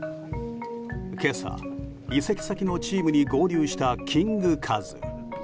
今朝、移籍先のチームに合流したキングカズ。